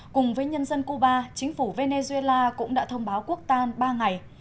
cùng với nhân dân cuba chính phủ venezuela cũng đã thông báo quốc tan ba ngày